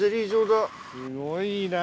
すごいな。